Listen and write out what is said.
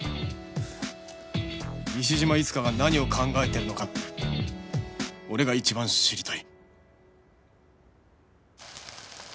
西島いつかが何を考えてるのか俺が一番知りたい